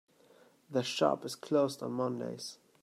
The shop is closed on mondays.